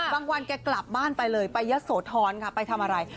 วันแกกลับบ้านไปเลยไปยะโสธรค่ะไปทำอะไร